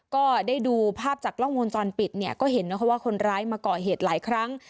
ก็ได้ดูภาพจากกล้องวงจรปิดเนี่ยก็เห็นนะคะว่าคนร้ายมาก่อเหตุหลายครั้ง